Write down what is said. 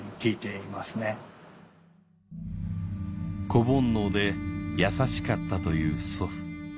子煩悩で優しかったという祖父